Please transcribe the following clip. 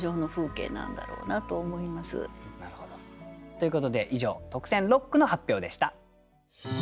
ということで以上特選六句の発表でした。